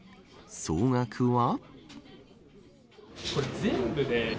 総額は。